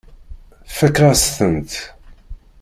Fakeɣ-as-tent.